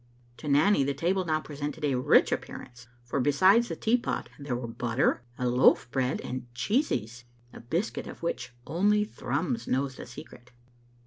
To Nanny the table now presented a rich appearance, for besides the teapot there were butter and loaf bread and cheesies: a biscuit of which only Thrums knows the secret.